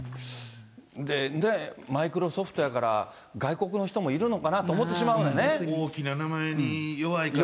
マイクロソフトやから、外国の人もいるのかなと思ってしまう大きな名前に弱いから。